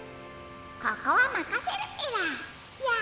ここはまかせるペラ。